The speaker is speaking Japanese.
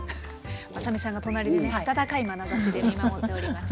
まさみさんが隣でね温かいまなざしで見守っております。